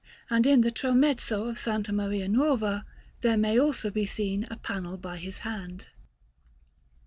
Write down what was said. And in the tramezzo of S. Maria Nuova there may also be seen a panel by his hand.